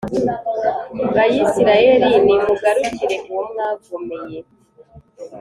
Bayisraheli, nimugarukire Uwo mwagomeye!